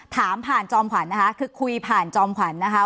ถามผ่านจอมขวัญนะคะคือคุยผ่านจอมขวัญนะคะ